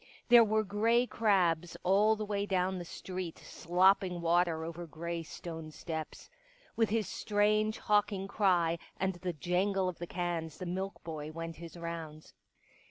There were grey crabs all the way down the street slopping water over grey stone steps. With his strange, hawking cry and the jangle of the cans the milk boy went his rounds.